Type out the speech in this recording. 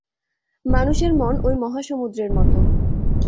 মানুষের মন ঐ মহাসমুদ্রের মত।